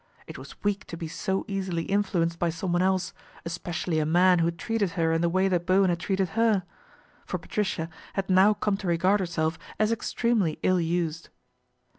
It was weak to be so >ily influenced by someone else, especially a tan who had treated her in the way that Bowen id treated her ; for Patricia hati now come to egard herself as extremely ill used.